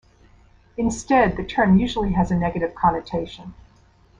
Instead, the term usually has a negative connotation.